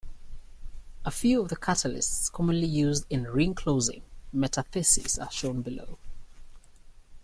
A few of the catalyts commonly used in ring-closing metathesis are shown below.